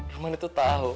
rumana itu tau